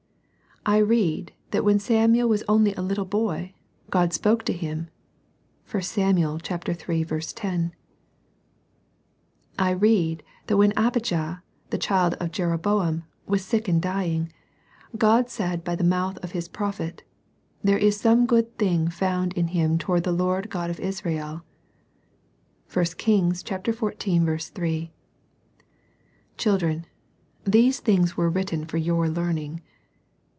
— I read, that when Samuel was only a little boy, God spoke to him. (i Sam iii. 10.) — I read that when Abijah, the child of Jero boam, was sick and dying, God said by the mouth of His prophet, "there is some good thing found in him toward the Lord God of Israel" (i Kings xiv. 13.) Children, these things were written for your learning.